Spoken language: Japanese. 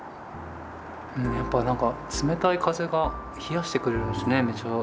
やっぱ何か冷たい風が冷やしてくれるんですね。